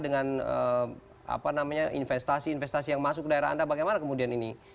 dengan investasi investasi yang masuk ke daerah anda bagaimana kemudian ini